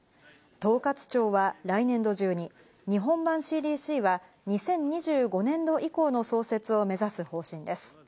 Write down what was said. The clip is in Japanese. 統括庁は来年度中に日本版ＣＤＣは２０２５年度以降の創設を目指す方針です。